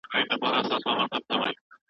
څوک به دې مړ کړي حر، مونیه